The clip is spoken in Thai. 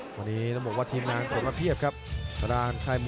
ตอนนี้น้องบอกว่าทีมน้ำไม่เป็นก่อนครับ